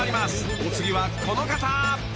お次はこの方］